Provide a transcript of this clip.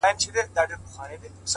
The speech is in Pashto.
• چي ورته سر ټيټ كړمه ؛ وژاړمه؛